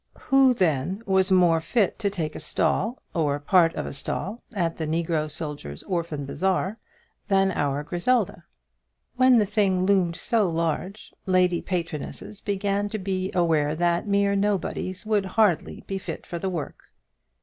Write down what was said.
Who then was more fit to take a stall, or part of a stall at the Negro Soldiers' Orphan Bazaar, than our Griselda? When the thing loomed so large, lady patronesses began to be aware that mere nobodies would hardly be fit for the work.